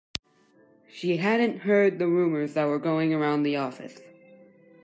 She hadn’t heard the rumours that were going around the office.